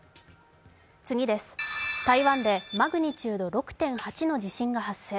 台湾でマグニチュード６．８の地震が発生。